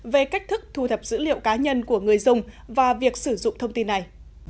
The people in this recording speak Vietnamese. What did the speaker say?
về cách thức thu thập dữ liệu cá nhân của người dùng và việc sử dụng thông tin này